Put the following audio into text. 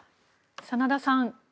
真田さん